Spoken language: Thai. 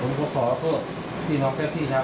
เดี๋ยวผมก็ขอโทษที่น้องแกที่ชาวไพรทุกคนครับผม